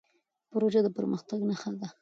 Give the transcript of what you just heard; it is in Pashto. پروژه د پرمختګ نښه ده.